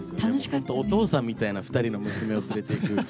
本当お父さんみたいな２人の娘を連れていく。